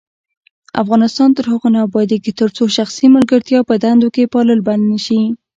افغانستان تر هغو نه ابادیږي، ترڅو شخصي ملګرتیا په دندو کې پالل بند نشي.